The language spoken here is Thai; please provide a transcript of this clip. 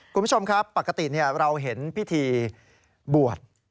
คุณผู้ชมครับปกติเราเห็นพิธีบวช